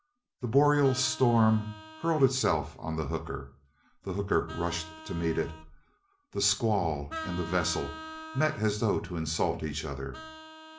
The boreal storm hurled itself on the hooker. The hooker rushed to meet it. The squall and the vessel met as though to insult each other.